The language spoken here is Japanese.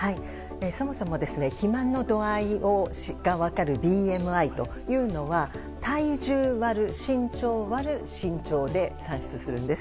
そもそも肥満の度合いが分かるＢＭＩというのは体重÷身長÷身長で算出するんです。